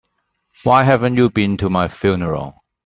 Why haven't you been to my funeral?